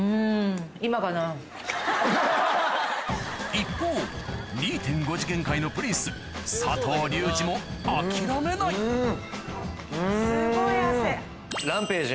一方２．５次元界のプリンス佐藤流司も諦めないうん！